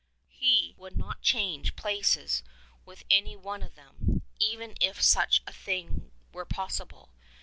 He would not change places with any one of them, even if such a thing were possible.